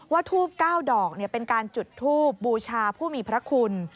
ทูบ๙ดอกเป็นการจุดทูบบูชาผู้มีพระคุณ